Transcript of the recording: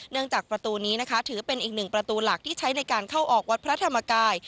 จากประตูนี้นะคะถือเป็นอีกหนึ่งประตูหลักที่ใช้ในการเข้าออกวัดพระธรรมกาย